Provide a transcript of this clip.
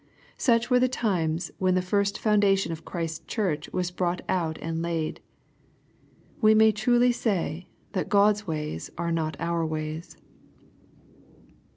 Such were the times when the first foundation of Christ's church was brought out and laid. We may truly say, that God's ways are not our ways.